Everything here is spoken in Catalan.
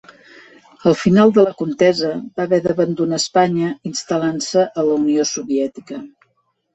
Al final de la contesa va haver d'abandonar Espanya, instal·lant-se a la Unió Soviètica.